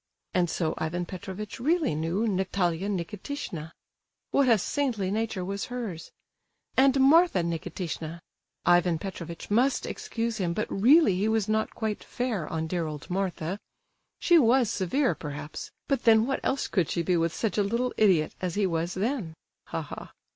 And so Ivan Petrovitch really knew Natalia Nikitishna!—what a saintly nature was hers!—and Martha Nikitishna! Ivan Petrovitch must excuse him, but really he was not quite fair on dear old Martha. She was severe, perhaps; but then what else could she be with such a little idiot as he was then? (Ha, ha.)